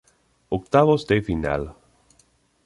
Octavos de Final